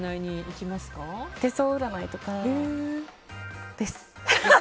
手相占いとかです。